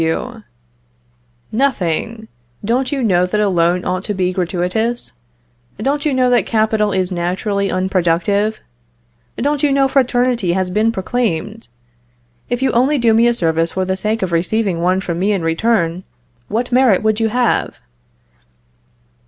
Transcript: W. Nothing. Don't you know that a loan ought to be gratuitous? Don't you know that capital is naturally unproductive? Don't you know fraternity has been proclaimed? If you only do me a service for the sake of receiving one from me in return, what merit would you have?